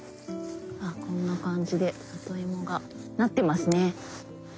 あこんな感じで里芋がなってますね。